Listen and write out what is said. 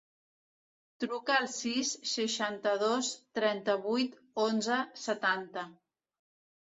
Truca al sis, seixanta-dos, trenta-vuit, onze, setanta.